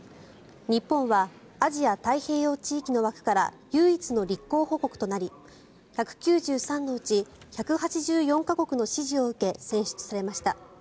日本はアジア太平洋地域の枠から唯一の立候補国となり１９３のうち１８４か国の支持を受け選出されました。